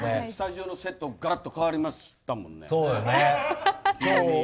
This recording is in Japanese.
スタジオのセットもガラッと変わりましたもんね。